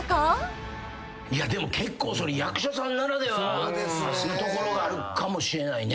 結構それ役者さんならではのところがあるかもしれないね。